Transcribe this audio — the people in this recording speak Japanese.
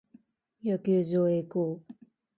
野球場へ移行。